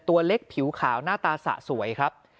ตัวเล็กผิวขาวหน้าตาสะสวยครับ